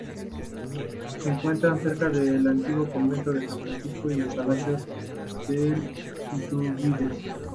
Se encuentra cerca del antiguo convento de San Francisco y el Palacio de Iturbide.